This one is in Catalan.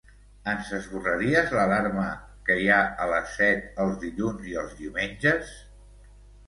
Ens esborraries l'alarma que hi ha a les set els dilluns i els diumenges?